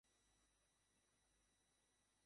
আরে, তুমি ওদিকে যাও।